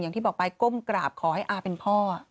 อย่างที่บอกไปก้มกราบขอให้อาเป็นพ่อ